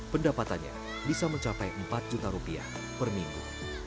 pendapatannya bisa mencapai rp empat juta per minggu